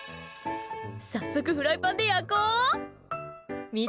早速、フライパンで焼こ！